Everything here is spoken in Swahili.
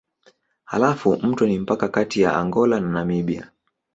Halafu mto ni mpaka kati ya Angola na Namibia.